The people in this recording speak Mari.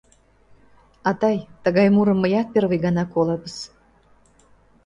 — Атай, тыгай мурым мыят первый гана колабыз.